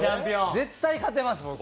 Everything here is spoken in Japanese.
絶対勝てます、僕。